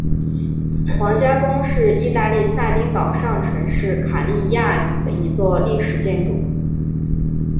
皇家宫是义大利撒丁岛上城市卡利亚里的一座历史建筑。